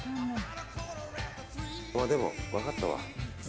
でも、分かったわ。